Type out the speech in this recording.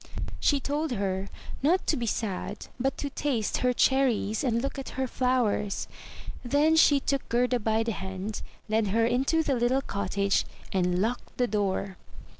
She told her not to be sad, but to taste her cherries, and look at her flowers. Then she took Gerda by the hand, led her into the little cottage, and locked the door.